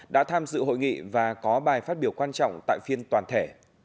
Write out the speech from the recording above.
đã tham dự hội nghị và có bài phát biểu quan trọng tại phiên toàn thể